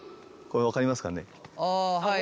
あはい